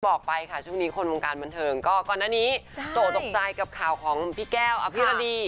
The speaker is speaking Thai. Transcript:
บอกไปค่ะช่วงนี้คนวงการบันเทิงก็ก่อนหน้านี้โตตกใจกับข่าวของพี่แก้วอภิรดี